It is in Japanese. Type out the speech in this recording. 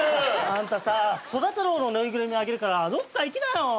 あんたさソラタロウの縫いぐるみあげるからどっか行きなよ。